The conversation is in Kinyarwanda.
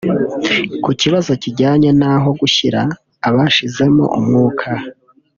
Ku kibazo kijyanye n’aho gushyira abashizemo umwuka